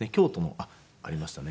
あっありましたね。